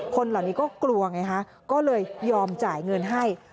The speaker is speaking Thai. คนเหล่านี้ก็กลัวไงฮะก็เลยยอมจ่ายเงินให้